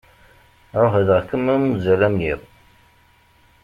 Ɛuhdeɣ-kem am uzal am yiḍ.